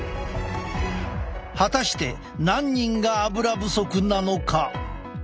果たして何人がアブラ不足なのか？